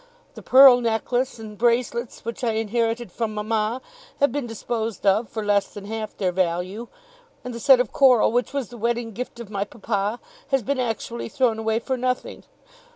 The pearl necklace and bracelets which I inherited from mama, have been disposed of for less than half their value; and the set of coral, which was the wedding gift of my papa, has been actually thrown away for nothing.